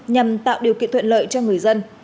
nhằm tạo điều kiện thuận lợi cho người dân